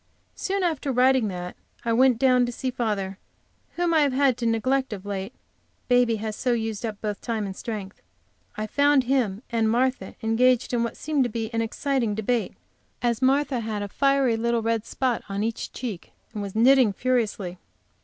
Soon after writing that I went down to see father, whom I have had to neglect of late, baby has so used up both time and strength.. I found him and Martha engaged in what seemed to be an exciting debate, as Martha had a fiery little red spot on each cheek, and was knitting furiously.